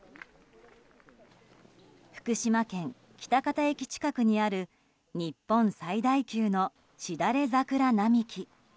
福島県喜多方駅近くにある日本最大級のしだれ桜並木。